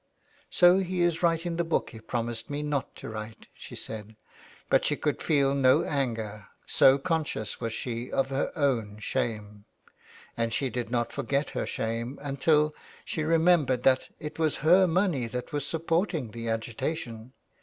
" So he is writing the book he promised me not to write," she said. But she could feel no anger, so conscious was she of her ov/n shame. And she did not forget her shame until she remem bered that it was her money that was supportin^^ the agitation.